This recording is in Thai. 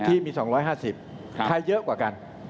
ที่มี๒๕๐ใครเยอะกว่ากัน